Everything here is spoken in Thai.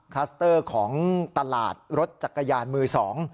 คัสเตอร์ของตลาดรถจักรยานมือสอง